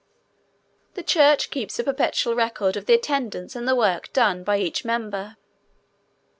The church keeps a perpetual record of the attendance and the work done by each member.